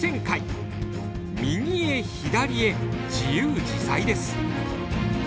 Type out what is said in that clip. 右へ左へ自由自在です。